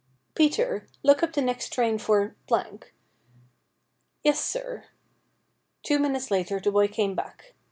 ' Peter, look up the next train for .' 'Yes, sir.' Two minutes later the boy came back.